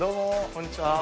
こんにちは。